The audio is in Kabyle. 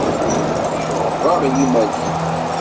Iceɣɣeb-aɣ yimal-ik.